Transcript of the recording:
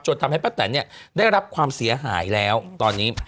ทำให้ป้าแตนเนี่ยได้รับความเสียหายแล้วตอนนี้